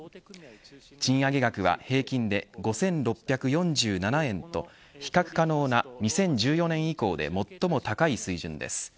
賃上げ額は平均で５６４７円と比較可能な２０１４年以降で最も高い水準です。